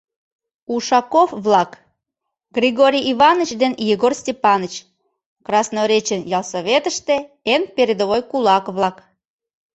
Ушаков-влак: Григорий Иваныч ден Егор Степаныч — Красноречен ялсоветыште эн «передовой» кулак-влак.